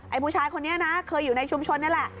ผู้ชายคนนี้นะเคยอยู่ในชุมชนนี่แหละ